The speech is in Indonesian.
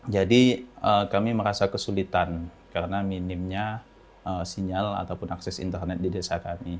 kami merasa kesulitan karena minimnya sinyal ataupun akses internet di desa kami